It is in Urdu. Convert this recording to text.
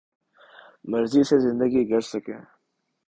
مرضی سے زندگی گرز سکیں